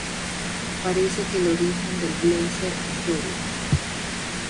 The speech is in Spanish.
Parece que el origen del blazer es doble.